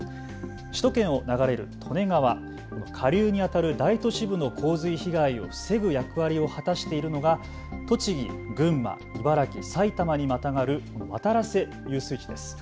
首都圏を流れる利根川、この下流にあたる大都市部の洪水被害を防ぐ役割を果たしているのが栃木、群馬、茨城、埼玉にまたがる渡良瀬遊水地です。